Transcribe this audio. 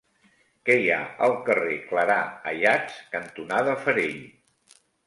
Què hi ha al carrer Clarà Ayats cantonada Farell?